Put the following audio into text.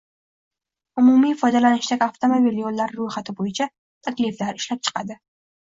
umumiy foydalanishdagi avtomobil yo'llari ro'yxati bo'yicha takliflar ishlab chiqadi